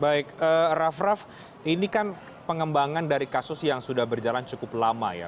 baik raff raff ini kan pengembangan dari kasus yang sudah berjalan cukup lama ya